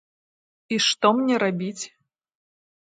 І што мне рабіць?